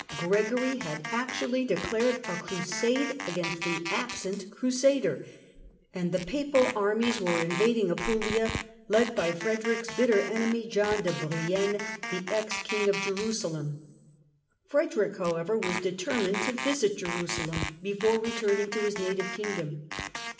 Gregory had actually declared a crusade against the absent Crusader, and the Papal armies were invading Apulia, led by Frederick's bitter enemy, John de Brienne, the ex King of Jerusalem. Frederick, however, was determined to visit Jerusalem before returning to his native Kingdom.